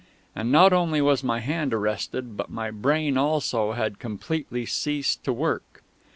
And not only was my hand arrested, but my brain also had completely ceased to work.